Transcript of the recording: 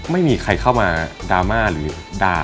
ไม่มีใครเข้ามาดราม่าหรือด่า